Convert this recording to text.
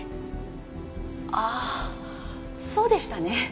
ああそうでしたね。